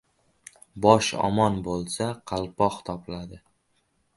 • Bosh omon bo‘lsa, qalpoq topiladi.